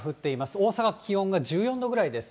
大阪、気温が１４度ぐらいです。